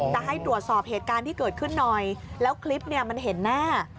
จะให้ตรวจสอบเหตุการณ์ที่เกิดขึ้นหน่อยแล้วคลิปเนี่ยมันเห็นแน่